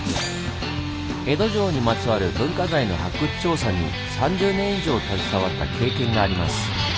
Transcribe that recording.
江戸城にまつわる文化財の発掘調査に３０年以上携わった経験があります。